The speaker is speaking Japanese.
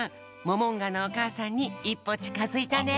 モモンガのおかあさんに１ぽちかづいたね。